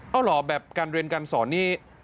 เอาเหรอแบบการเรียนการสอนนี่